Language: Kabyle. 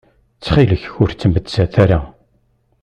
Ttxil-k ur ttmettat ara.